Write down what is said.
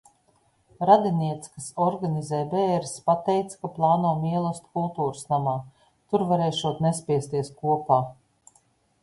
Radiniece, kas organizē bēres, pateica, ka plāno mielastu kultūras namā. Tur varēšot nespiesties kopā.